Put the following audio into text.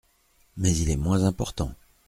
Mais il est moins important.